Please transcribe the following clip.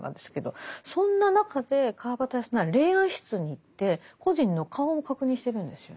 そんな中で川端康成霊安室に行って故人の顔も確認してるんですよね。